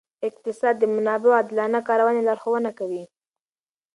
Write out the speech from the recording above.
اقتصاد د منابعو عادلانه کارونې لارښوونه کوي.